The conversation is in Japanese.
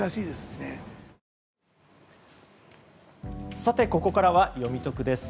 さて、ここからはよみトクです。